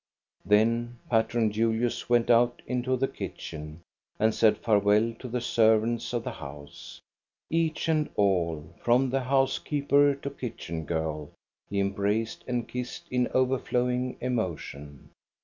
Then Patron Julius went out into the kitchen and said farewell to the servants of the house. Each and all, from the housekeeper to kitchen girl, he embraced and kissed in overflowing emotion.